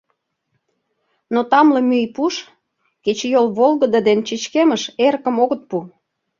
Но тамле мӱй пуш, кечыйол волгыдо ден чечкемыш эрыкым огыт пу.